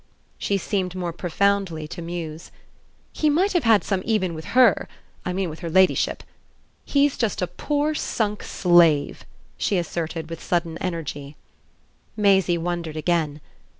She seemed more profoundly to muse. "He might have had some even with HER I mean with her ladyship. He's just a poor sunk slave," she asserted with sudden energy. Maisie wondered again.